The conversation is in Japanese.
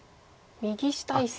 右下１線。